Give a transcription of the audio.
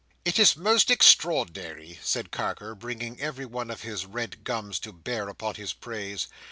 "It is most extraordinary," said Carker, bringing every one of his red gums to bear upon his praise.